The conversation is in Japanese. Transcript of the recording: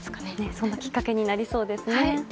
そんなきっかけになりそうですね。